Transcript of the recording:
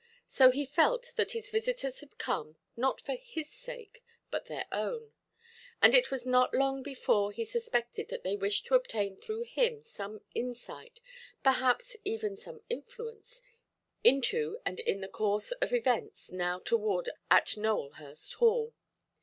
So he felt that his visitors had come, not for his sake, but their own. And it was not long before he suspected that they wished to obtain through him some insight, perhaps even some influence, into and in the course of events now toward at Nowelhurst Hall.